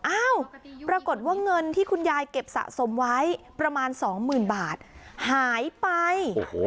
อ้าวปรากฏว่าเงินที่คุณยายเก็บสะสมไว้ประมาณสองหมื่นบาทหายไป